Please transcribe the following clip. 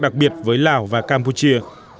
đặc biệt với lào và campuchia